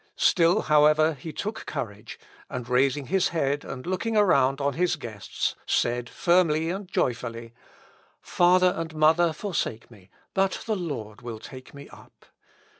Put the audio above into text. Still, however, he took courage, and raising his head and looking around on his guests, said firmly and joyfully, "Father and mother forsake me, but the Lord will take me up."